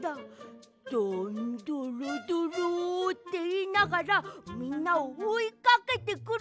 「どんどろどろ」っていいながらみんなをおいかけてくる。